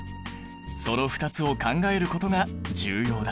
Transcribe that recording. その２つを考えることが重要だ！